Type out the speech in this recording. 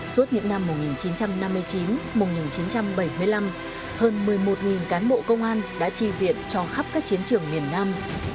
suốt những năm một nghìn chín trăm năm mươi chín một nghìn chín trăm bảy mươi năm hơn một mươi một cán bộ công an đã tri viện cho khắp các chiến trường miền nam